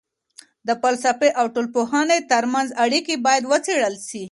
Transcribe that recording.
د فلسفې او ټولنپوهني ترمنځ اړیکې باید وڅېړل سي.